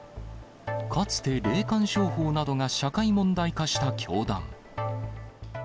かつて霊感商法などが社会問題化した教団。